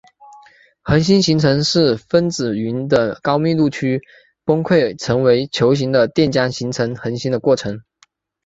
恒星形成是分子云的高密度区崩溃成为球形的电浆形成恒星的过程。